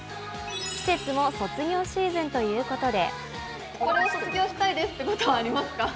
季節も卒業シーズンということで。